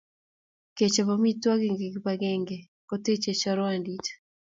Kechop amitwogik eng kipakenge kotechei chorwandit